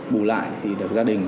bù lại thì được gia đình